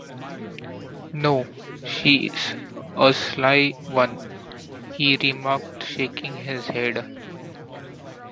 ‘No, she’s a sly one,’ he remarked, shaking his head.